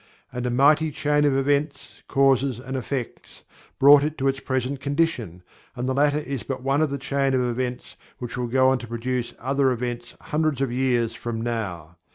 And a mighty chain of events, causes and effects, brought it to its present condition, and the later is but one of the chain of events which will go to produce other events hundreds of years from now.